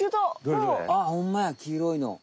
あっほんまやきいろいの。